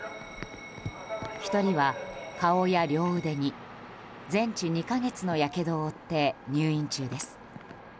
１人は、顔や両腕に全治２か月のやけどを負って入院中です。